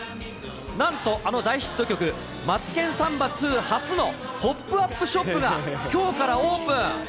なんと、あの大ヒット曲、マツケンサンバＩＩ初のポップアップショップが、きょうからオープン。